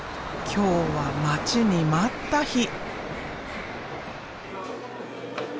今日は待ちに待った日。